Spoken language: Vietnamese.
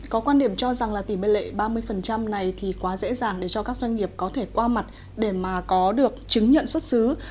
có quan điểm cho rằng là tỷ lệ ba mươi này thì quá dễ dàng để cho các doanh nghiệp có thể qua mặt để mà có được chứng nhận xuất xứ